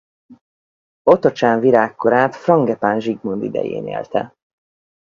Otocsán virágkorát Frangepán Zsigmond idején élte.